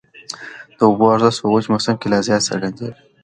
د اوبو ارزښت په وچ موسم کي لا زیات څرګندېږي.